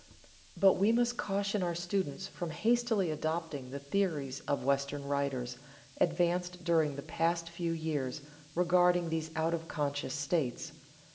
But we must caution our students from hastily adopting the several theories of Western writers, advanced during the past few years, regarding these out of conscious states.